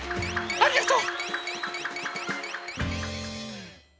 ありがとう。